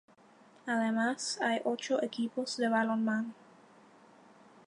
Además, hay ocho equipos de balonmano.